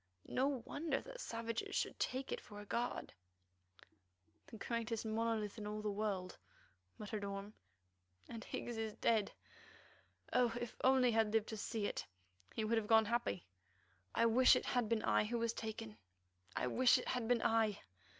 "No wonder that savages should take it for a god." "The greatest monolith in all the world," muttered Orme, "and Higgs is dead. Oh! if only he had lived to see it, he would have gone happy. I wish it had been I who was taken; I wish it had been I!"